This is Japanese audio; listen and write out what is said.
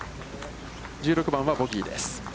１６番はボギーです。